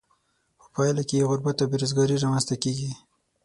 په پایله کې یې غربت او بې روزګاري را مینځ ته کیږي.